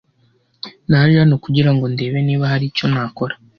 naje hano kugira ngo ndebe niba hari icyo nakora